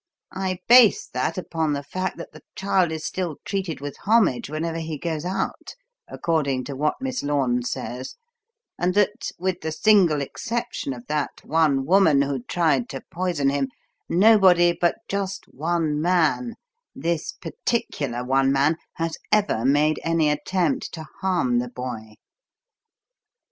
I base that upon the fact that the child is still treated with homage whenever he goes out, according to what Miss Lorne says, and that, with the single exception of that one woman who tried to poison him, nobody but just one man this particular one man has ever made any attempt to harm the boy.